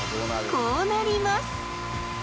こうなります！